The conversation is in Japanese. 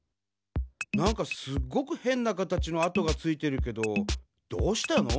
なんかすっごくへんなかたちの跡がついてるけどどうしたの？